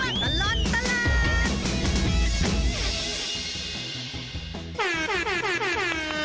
ช่วงตลอดตลาด